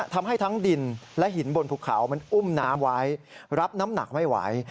ทำให้ทั้งดินและหินบนภูเขามันอุ้มน้ำไว้รับน้ำหนักไม่ไหว